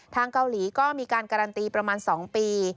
ทางเกาหลีก็มีการการันตีประมาณ๒ปี